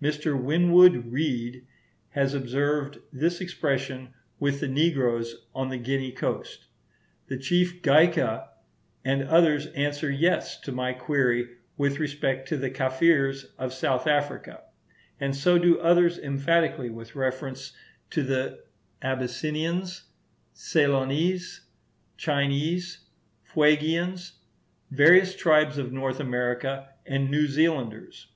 Mr. Winwood Reade has observed this expression with the negroes on the Guinea coast. The chief Gaika and others answer yes to my query with respect to the Kafirs of South Africa; and so do others emphatically with reference to the Abyssinians, Ceylonese, Chinese, Fuegians, various tribes of North America, and New Zealanders.